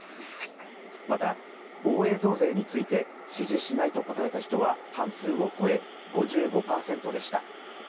また、防衛増税について支持しないと答えた人は半数を超え５５％でした。